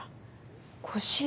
腰？